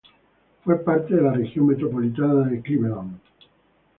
Fue parte de la región metropolitana de Cleveland.